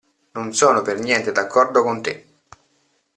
Non sono per niente d'accordo con te.